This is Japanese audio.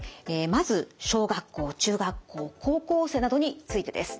まず小学校中学校高校生などについてです。